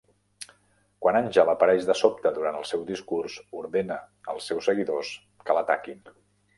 Quan Angel apareix de sobte durant el seu discurs, ordena als seus seguidors que l'ataquin.